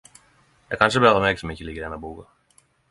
Det er kanskje berre meg som ikkje likar denne boka.